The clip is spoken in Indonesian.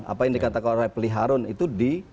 apa yang dikatakan oleh peliharun itu di